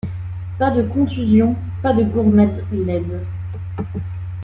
Pas de contusions ; pas de gourmades laides.